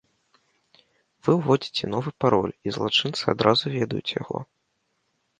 Вы ўводзіце новы пароль і злачынцы адразу ведаюць яго.